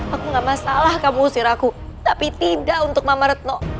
aku gak masalah kamu usir aku tapi tidak untuk mama retno